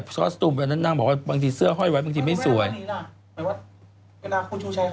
บางทีว่าคุณชูชัยต้องให้ของ